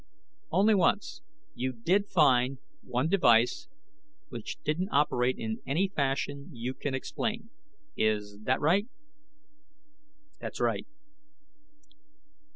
"Only once. You did find one device which didn't operate in any fashion you can explain. Is that right?" "That's right."